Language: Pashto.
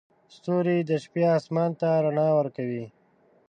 ستوري د شپې اسمان ته رڼا ورکوي.